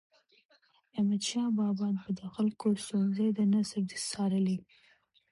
احمدشاه بابا به د خلکو ستونزې د نژدي څارلي.